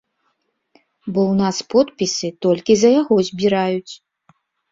Бо ў нас подпісы толькі за яго збіраюць.